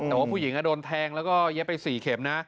แต่ว่าผู้หญิงโดนแทงแล้วก็เย็บไป๔เข็มนะ